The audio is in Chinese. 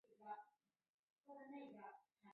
乾隆十六年二月降为四等侍卫。